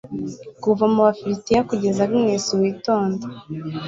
kuva mu bafilisitiya kugeza agnus witonda